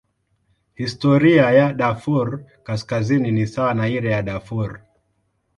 Historia ya Darfur Kaskazini ni sawa na ile ya Darfur.